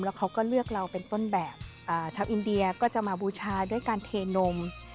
แล้วเขาก็เลือกเราเป็นต้นแบบชาวอินเดียก็จะมาบูชาด้วยการเทนม